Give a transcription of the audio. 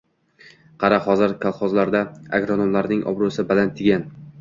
Qara, hozir kolxozlarda agronomlarning obro’si baland”, degan.